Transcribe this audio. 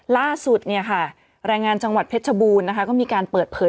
ล่าสุดแรงงานจังหวัดเพชรชบูรณ์ก็มีการเปิดเผย